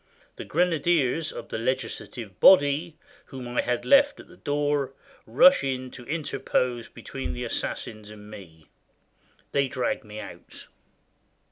The grenadiers of the legislative body, whom I had left at the door, rush in to interpose between the assassins and me. They drag me out.